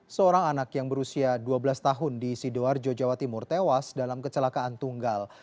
seorang anak yang berusia dua belas tahun di sidoarjo jawa timur tewas dalam kecelakaan tunggal